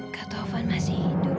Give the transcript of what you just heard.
kak taufan masih hidup